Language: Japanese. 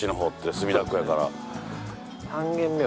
墨田区やから。